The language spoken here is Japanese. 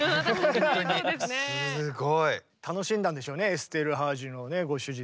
楽しんだんでしょうねエステルハージのねご主人様。